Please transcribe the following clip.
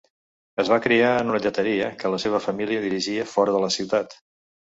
Es va criar en una lleteria que la seva família dirigia fora de la ciutat.